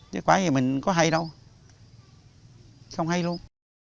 chứ quả gì mình có hay đâu không hay luôn